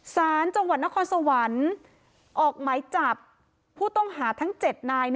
สารจังหวัดนครสวรรค์ออกหมายจับผู้ต้องหาทั้ง๗นาย